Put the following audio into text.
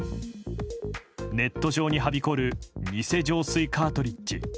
ネット上にはびこる偽浄水カートリッジ。